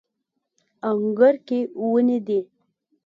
انګړ کې ونې دي